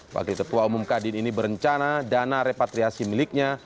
bagai tetua umum kadin ini berencana dana repatriasi miliknya